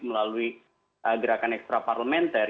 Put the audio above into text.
melalui gerakan ekstraparlimenter